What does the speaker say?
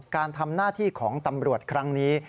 การทำหน้าที่ของตำรวจครั้งนี้